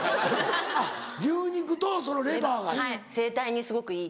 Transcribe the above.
あっ牛肉とそのレバーがいい。